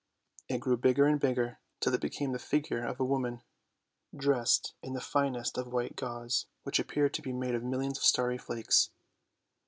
It grew bigger and bigger, till it became the figure of a woman, dressed in the finest white gauze, which appeared to be made of millions of starry flakes.